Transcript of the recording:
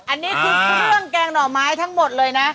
อันนี้คือเครื่องแกงหน่อไม้ทั้งหมดเลยนะ